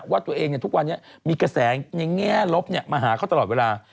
ว่าตัวเองเนี่ยทุกวันนี้มีกระแสแง่ลบเนี่ยมาหาเขาตลอดเวลา